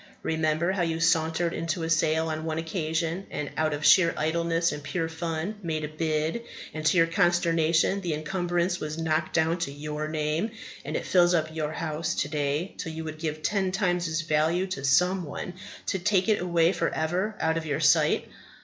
Remember how you sauntered into a sale on one occasion, and, out of sheer idleness and pure fun, made a bid, and to your consternation the encumbrance was knocked down to your name; and it fills up your house to day till you would give ten times its value to some one to take it away for ever out of your sight.